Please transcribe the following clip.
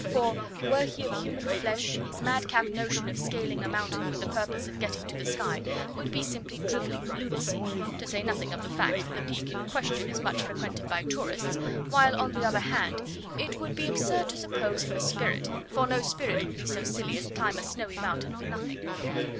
For, 'were he of human flesh, his madcap notion of scaling a mountain with the purpose of getting to the sky would be simply drivelling lunacy,' to say nothing of the fact that the peak in question is much frequented by tourists, while, on the other hand, 'it would be absurd to suppose him a spirit ... for no spirit would be so silly as climb a snowy mountain for nothing'!